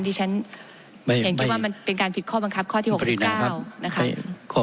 ที่ฉันเห็นคิดว่ามันเป็นการผิดข้อบังคับข้อที่๖๙นะคะ